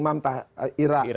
imam entah ira